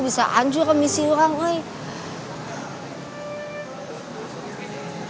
bisa anjur misi orang eh